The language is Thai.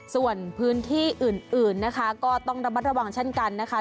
ส่วนพื้นที่อื่นนะคะก็ต้องระมัดระวังเช่นกันนะคะ